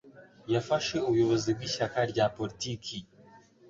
Yafashe ubuyobozi bw'ishyaka rya politiki.